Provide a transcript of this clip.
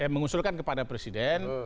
mengusulkan kepada presiden